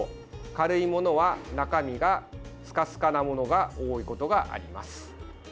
軽いものは中身がスカスカなものが多いことがあります。